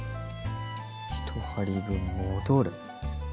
１針分戻る。